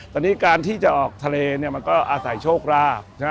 ตอนนี้การที่จะออกทะเลเนี่ยมันก็อาศัยโชคราบใช่ไหม